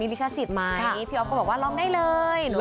ลิขสิทธิ์ไหมพี่อ๊อฟก็บอกว่าลองได้เลย